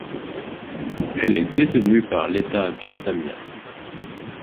Elle est détenue par l'état vietnamien.